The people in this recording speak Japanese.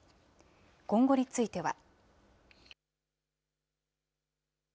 今後については。